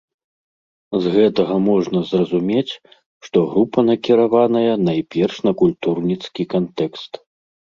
З гэтага можна зразумець, што група накіраваная найперш на культурніцкі кантэкст.